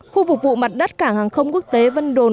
khu phục vụ mặt đất cảng hàng không quốc tế vân đồn